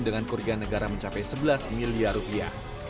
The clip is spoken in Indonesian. pidus dua ribu delapan belas mencapai sebelas miliar rupiah